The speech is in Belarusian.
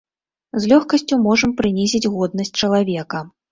З лёгкасцю можам прынізіць годнасць чалавека.